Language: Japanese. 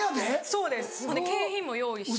そうですほんで景品も用意して。